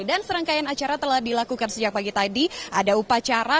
dan serangkaian acara telah dilakukan sejak pagi tadi ada upacara